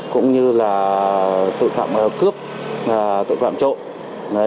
cũng như là tội phạm cướp tội phạm trộm